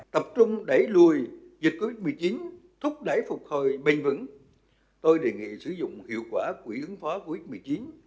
tập trung đẩy lùi dịch covid một mươi chín thúc đẩy phục hồi bình vững tôi đề nghị sử dụng hiệu quả quỹ ứng phó covid một mươi chín